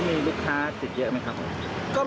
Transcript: มีลูกค้าติดเยอะไหมครับ